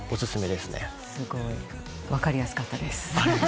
分かりやすかったです。